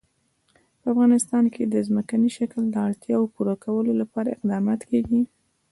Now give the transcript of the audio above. په افغانستان کې د ځمکنی شکل د اړتیاوو پوره کولو لپاره اقدامات کېږي.